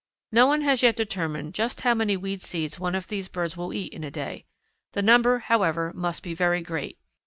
No one has yet determined just how many weed seeds one of these birds will eat in a day. The number, however, must be very great.